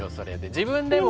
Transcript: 自分でも。